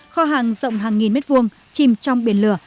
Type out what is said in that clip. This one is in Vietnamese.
kho hàng rộng hàng nghìn mét vuông chìm trong biển lửa